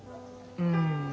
うん。